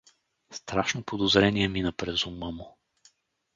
Страшно подозрение мина през ума му.